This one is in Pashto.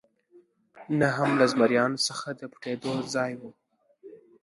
نه هم له زمریانو څخه د پټېدو ځای و.